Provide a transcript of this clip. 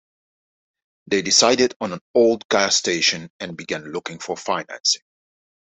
They decided on an old gas station and began looking for financing.